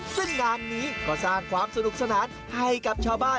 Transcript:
ซึ่งงานนี้ก็สร้างความสนุกสนานให้กับชาวบ้าน